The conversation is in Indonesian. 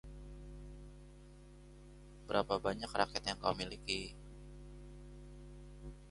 Berapa banyak raket yang kau miliki?